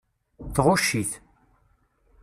Tɣucc-it.